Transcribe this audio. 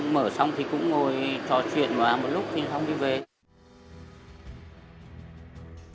mở xong thì cũng ngồi trò chuyện một lúc xong thì về